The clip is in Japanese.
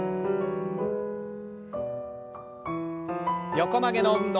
横曲げの運動。